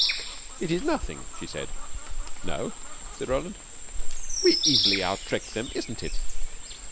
"It is nothing," she said. "No?" said Roland. "We easily out trick them, isn't it?